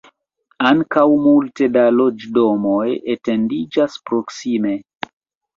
Ankaŭ multe da loĝdomoj etendiĝas proksime.